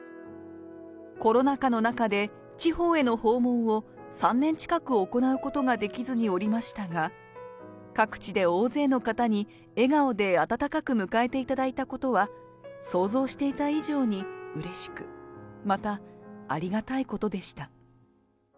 コロナ禍の中で地方への訪問を３年近く行うことができずにおりましたが、各地で大勢の方に笑顔で温かく迎えていただいたことは、想像していた以上にうれしく、またありがたいことでした。